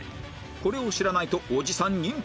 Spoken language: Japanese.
これを知らないとおじさん認定